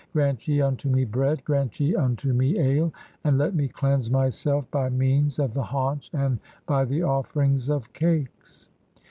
] Grant ye unto me bread, grant ye (3) unto "me ale, and let me cleanse myself by means of the haunch "and by the offerings of cakes.